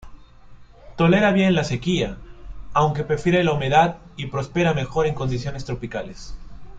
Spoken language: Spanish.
Tolera bien la sequía, aunque prefiere la humedad y prospera mejor en condiciones tropicales.